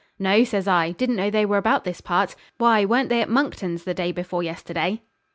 'No,' says I. 'Didn't know they were about this part. Why, weren't they at Monckton's the day before yesterday?'